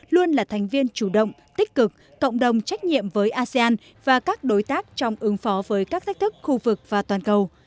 luôn là thành viên chủ động tích cực cộng đồng trách nhiệm với asean và các đối tác trong ứng phó với các thách thức khu vực và toàn cầu